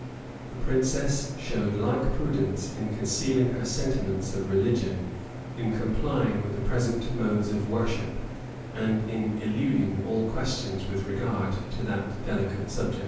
[*] The princess showed like prudence in concealing her sentiments of religion, in complying with the present modes of worship, and in eluding all questions with regard to that delicate subject.